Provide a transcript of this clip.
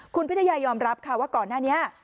คุณพิทยายอมรับค่ะว่าก่อนหน้านี้